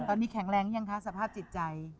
ตอนนี้แข็งแรงยังคะสภาพจิตใจ